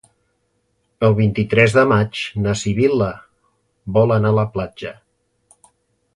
El vint-i-tres de maig na Sibil·la vol anar a la platja.